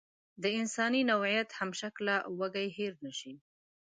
د انساني نوعیت همشکله وږی هېر نشي.